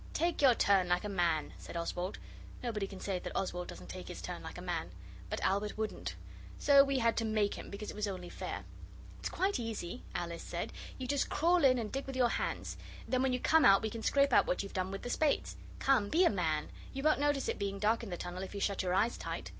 'Take your turn like a man,' said Oswald nobody can say that Oswald doesn't take his turn like a man. But Albert wouldn't. So we had to make him, because it was only fair. 'It's quite easy,' Alice said. 'You just crawl in and dig with your hands. Then when you come out we can scrape out what you've done, with the spades. Come be a man. You won't notice it being dark in the tunnel if you shut your eyes tight.